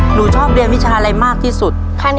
หนูชอบเรียนวิชาอะไรมากที่สุด